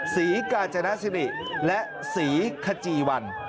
สีกาแจนาซินิและสีขจีวัล